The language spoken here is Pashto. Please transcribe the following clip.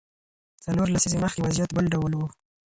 څلور لسیزې مخکې وضعیت بل ډول و.